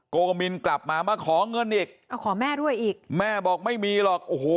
โกมินกลับมามาขอเงินอีกเอาขอแม่ด้วยอีกแม่บอกไม่มีหรอกโอ้โห